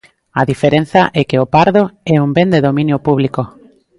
A diferenza é que "O Pardo" é un ben de dominio público.